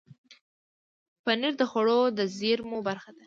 پنېر د خوړو د زېرمو برخه ده.